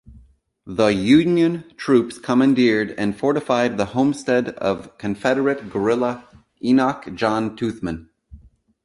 The Union troops commandeered and fortified the homestead of Confederate guerrilla Enoch John Toothman.